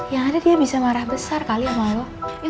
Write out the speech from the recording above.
mungkin dia bisa marah besar dengan kamu